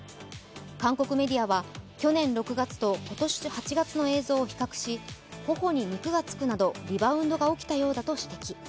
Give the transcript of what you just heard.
韓国メディアは去年６月と今年８月の映像を比較し、頬に肉がつくなどリバウンドが起きたようだと指摘。